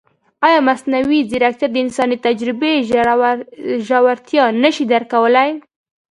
ایا مصنوعي ځیرکتیا د انساني تجربې ژورتیا نه شي درک کولی؟